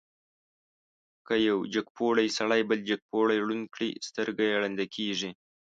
که یو جګپوړی سړی بل جګپوړی ړوند کړي، سترګه یې ړنده کېږي.